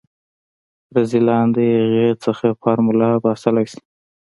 رذيلان د اغې نه فارموله باسلی شي.